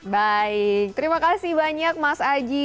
baik terima kasih banyak mas aji